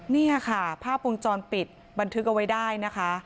นี่ค่ะภาพวงจรปิดบันทึกเอาไว้ได้นะคะ